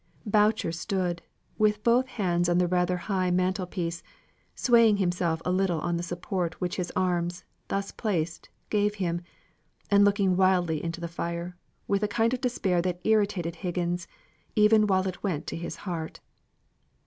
Boucher stood, with both hands on the rather high mantelpiece, swaying himself a little on the support which his arms, thus placed, gave him, and looking wildly into the fire, with a kind of despair that irritated Higgins, even while it went to his heart.